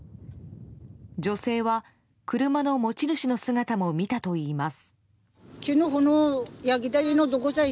女性は車の持ち主の姿も見たといいます。